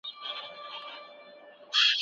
په کور کي دي جواري نسته له دماغه دي د پلو بوی ځي.